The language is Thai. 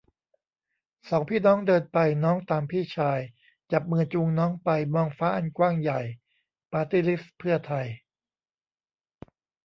สองพี่น้อง เดินไป น้องตามพี่ชาย จับมือจูงน้องไป มองฟ้าอันกว้างใหญ่ ปาร์ตี้ลิสต์เพื่อไทย